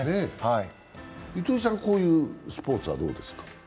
糸井さん、こういうスポーツはどうですか？